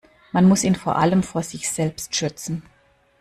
Man muss ihn vor allem vor sich selbst schützen.